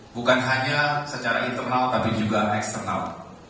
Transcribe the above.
bukan hanya secara internal tapi juga eksternal